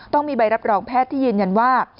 ต้องมีใบรับรองแพทย์ที่ยืนยันว่า